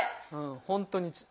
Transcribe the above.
本当に。